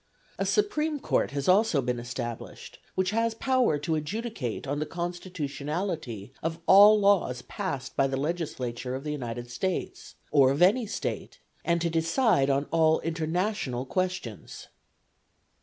A Supreme Court has also been established, which has power to adjudicate on the constitutionality of all laws passed by the Legislature of the United States, or of any State, and to decide on all international questions.